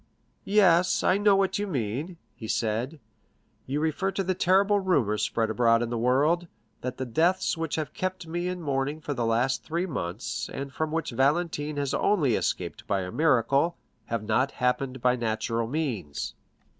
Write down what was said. "Yes, I know what you mean," he said; "you refer to the terrible rumors spread abroad in the world, that the deaths which have kept me in mourning for the last three months, and from which Valentine has only escaped by a miracle, have not happened by natural means."